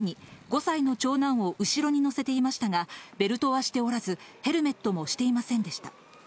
母親は当時、男の子を前に、５歳の長男を後ろに乗せていましたが、ベルトはしておらず、ヘルメットもしていませんでした。